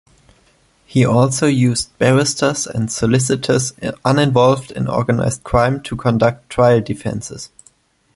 He also used barristers and solicitors uninvolved in organized crime to conduct trial defenses.